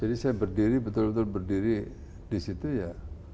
jadi saya berdiri betul betul berdiri di situ ya